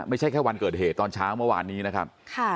ไม่ใช่แค่วันเกิดเหตุตอนเช้าเมื่อวานนี้นะครับ